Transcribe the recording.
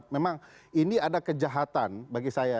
memang ini ada kejahatan bagi saya